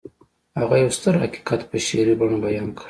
هغه يو ستر حقيقت په شعري بڼه بيان کړ.